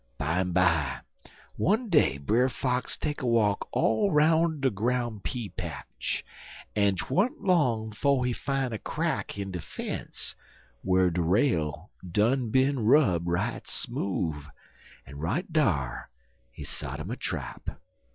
Bimeby, one day Brer Fox take a walk all roun' de groun' pea patch, en 'twan't long 'fo' he fine a crack in de fence whar de rail done bin rub right smoove, en right dar he sot 'im a trap.